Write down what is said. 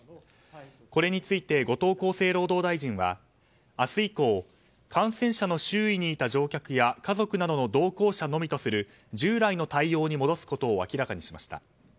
これについて後藤厚生労働大臣は明日以降、感染者の周囲にいた乗客や家族などの同行者のみとする従来の対応に戻すことを明らかにしました。